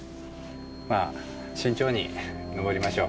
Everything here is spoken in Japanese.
まあ慎重に登りましょう。